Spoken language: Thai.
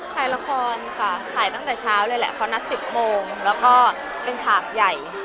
ถ่ายละครค่ะถ่ายตั้งแต่เช้าเลยแหละเขานัด๑๐โมงแล้วก็เป็นฉากใหญ่